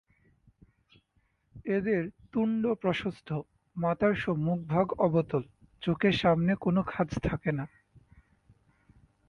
এদের তুণ্ড প্রশস্ত, মাথার সম্মুখভাগ অবতল, চোখের সামনে কোনো খাঁজ থাকে না।